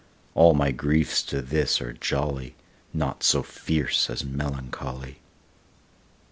All my griefs to this are jolly, Naught so fierce as melancholy.